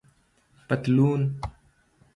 👖پطلون